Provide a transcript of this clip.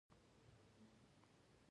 یوه ورځ ورېځ ولیده چې د دوی لوري ته راتله.